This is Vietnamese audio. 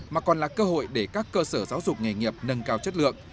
mà còn là cơ hội để các cơ sở giáo dục nghề nghiệp nâng cao chất lượng